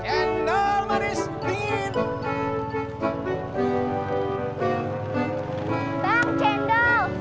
cendol manis dingin